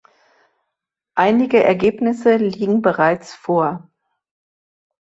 Einige Ergebnisse liegen bereits vor.